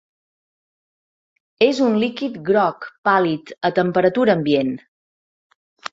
És un líquid groc pàl·lid a temperatura ambient.